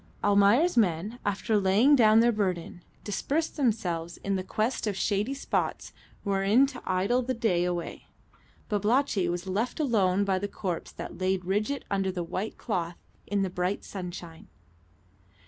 Almayer's men, after laying down their burden, dispersed themselves in quest of shady spots wherein to idle the day away. Babalatchi was left alone by the corpse that laid rigid under the white cloth in the bright sunshine.